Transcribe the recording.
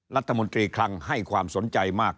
รัฐมนตรีคลังให้ความสนใจมาก